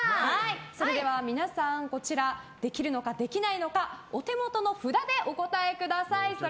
それでは皆さんできるのかできないのかお手元の札でお答えください。